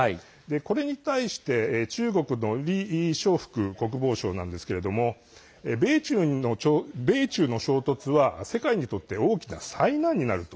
これに対して中国の李尚福国防相なんですけれども米中の衝突は世界にとって大きな災難になると。